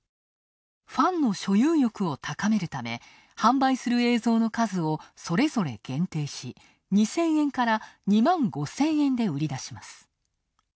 ファンの所有欲を高めるため、販売する映像の数をそれぞれ限定し、２０００円から２万５０００円で売り出します。